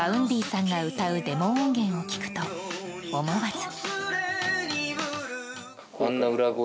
Ｖａｕｎｄｙさんが歌うデモ音源を聴くと思わず。